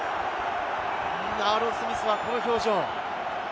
アーロン・スミスはこの表情。